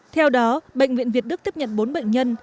theo đó bệnh viện việt đức tiếp nhận bốn bệnh nhân